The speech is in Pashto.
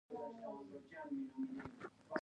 مينه زړه خوشحالوي